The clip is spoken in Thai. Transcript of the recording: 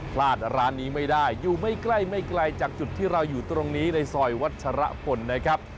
พลาดร้านนี้ไม่ได้อยู่ไม่ใกล้ไม่ไกลจากจุดที่เราอยู่ตรงนี้ในซอยวัชรพลนะครับ